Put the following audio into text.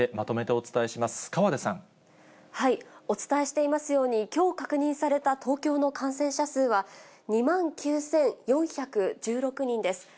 お伝えしていますように、きょう確認された東京の感染者数は、２万９４１６人です。